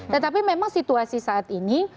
tetapi memang situasi saat ini